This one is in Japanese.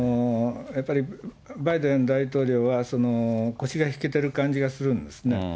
やっぱりバイデン大統領は、腰が引けてる感じがするんですね。